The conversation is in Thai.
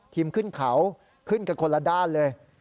ขึ้นเขาขึ้นกันคนละด้านเลย